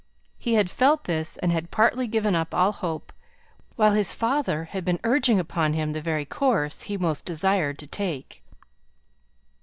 He had felt this, and had partly given up all hope, while his father had been urging upon him the very course he most desired to take.